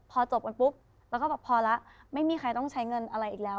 พอจบกันปุ๊บแล้วก็แบบพอแล้วไม่มีใครต้องใช้เงินอะไรอีกแล้ว